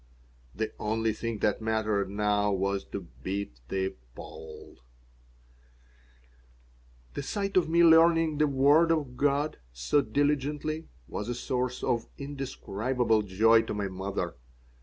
The only thing that mattered now was to beat the Pole The sight of me learning the Word of God so diligently was a source of indescribable joy to my mother.